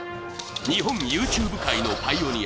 日本ＹｏｕＴｕｂｅ界のパイオニア